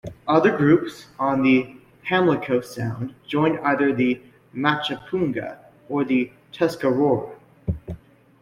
Other groups on the Pamlico Sound joined either the Machapunga or the Tuscarora.